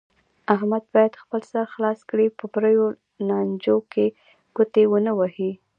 احمد باید خپل سر خلاص کړي، په پریو لانجو کې ګوتې و نه وهي.